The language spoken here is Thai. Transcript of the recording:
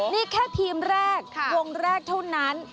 นี่แค่ทีมแรกวงแรกเท่านั้น